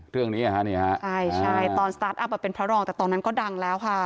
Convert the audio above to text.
เรื่องนี้อ่ะฮะนี่ฮะใช่ใช่ตอนเป็นพระรองแต่ตอนนั้นก็ดังแล้วค่ะ